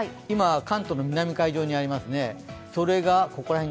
今、関東の南海上にありますね。